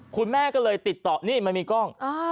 คุณแม่ก็เลยติดต่อนี่มันมีกล้อง